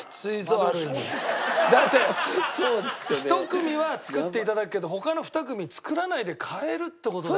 １組は作って頂くけど他の２組作らないで帰るって事だよ。